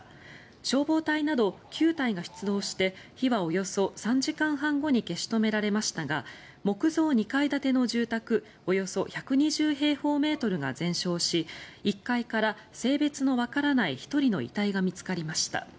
消防隊など９隊が出動して火はおよそ３時間半後に消し止められましたが木造２階建ての住宅およそ１２０平方メートルが全焼し１階から、性別のわからない１人の遺体が見つかりました。